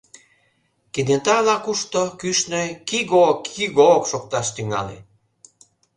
Кенета ала-кушто, кӱшнӧ, кигок! киги-гок! шокташ тӱҥале.